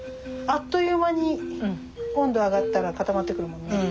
あっという間に温度上がったら固まってくるもんね。